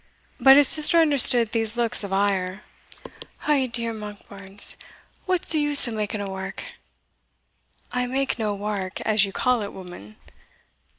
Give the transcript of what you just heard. But his sister understood these looks of ire. "Ou dear! Monkbarns, what's the use of making a wark?" "I make no wark, as ye call it, woman."